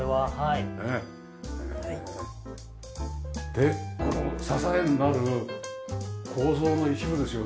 でこの支えになる構造の一部ですよね？